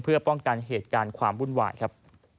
เพื่อป้องกันเหตุการณ์ความวุ่นวายครับ